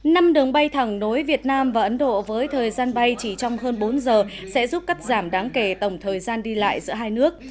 năm đường bay thẳng nối việt nam và ấn độ với thời gian bay chỉ trong hơn bốn giờ sẽ giúp cắt giảm đáng kể tổng thời gian đi lại giữa hai nước